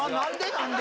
なんで？